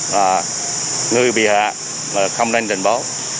và người bị hạ không nên đền báo